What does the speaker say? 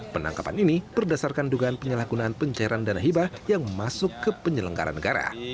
penangkapan ini berdasarkan dugaan penyalahgunaan pencairan dana hibah yang masuk ke penyelenggara negara